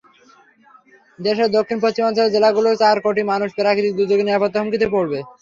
দেশের দক্ষিণ-পশ্চিমাঞ্চলের জেলাগুলোর চার কোটি মানুষ প্রাকৃতিক দুর্যোগের নিরাপত্তা হুমকিতে পড়বে।